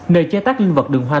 nơi chế tác linh vật đường hoa